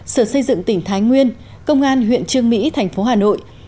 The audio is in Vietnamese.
sở xây dựng tỉnh thái nguyên công an huyện trương mỹ thành phố hà nội